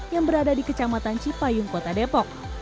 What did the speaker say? yang berada di kecamatan cipayung kota depok